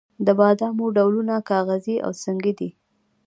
د بادامو ډولونه کاغذي او سنګي دي.